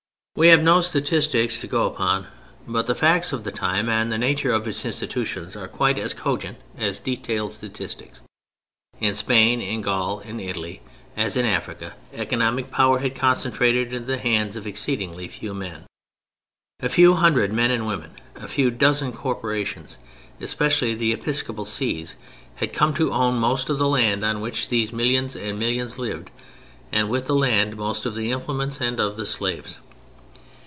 We have no statistics to go upon. But the facts of the time and the nature of its institutions are quite as cogent as detailed statistics. In Spain, in Gaul, in Italy, as in Africa, economic power had concentrated into the hands of exceedingly few men. A few hundred men and women, a few dozen corporations (especially the episcopal sees) had come to own most of the land on which these millions and millions lived; and, with the land, most of the implements and of the slaves.